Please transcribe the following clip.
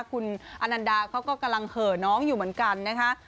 คุณอนันดาเขาก็กำลังเห่อน้องอยู่เหมือนกันนะคะ